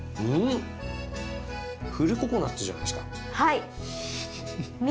フルココナツじゃないですか。